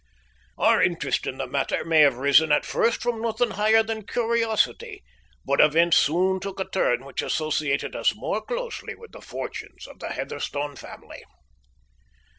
Our interest in the matter may have arisen at first from nothing higher than curiosity, but events soon took a turn which associated us more closely with the fortunes of the Heatherstone family.